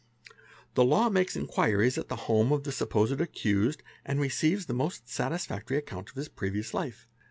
The law makes inquiries at the home of the supposed accused, and receives the most satisfactory account of his previous life.